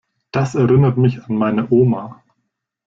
Das erinnert mich an meine Oma.